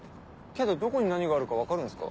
けどどこに何があるか分かるんすか？